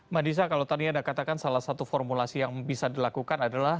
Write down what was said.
mbak nisa kalau tadi anda katakan salah satu formulasi yang bisa dilakukan adalah